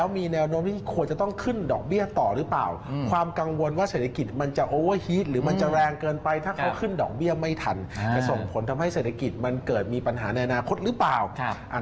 มีปัญหาในอนาคตหรือเปล่าอันนี้น่าสนใจกว่า